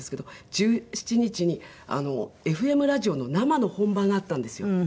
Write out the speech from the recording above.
１７日にＦＭラジオの生の本番があったんですよ。